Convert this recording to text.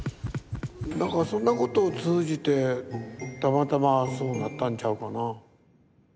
だからそんなことを通じてたまたまそうなったんちゃうかな。